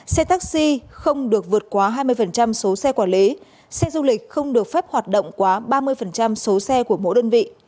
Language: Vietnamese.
xe taxi không được vượt quá hai mươi số xe quản lý xe du lịch không được phép hoạt động quá ba mươi số xe của mỗi đơn vị